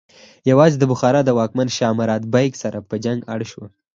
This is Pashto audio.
یوازې د بخارا د واکمن شاه مراد بیک سره په جنګ اړ شو.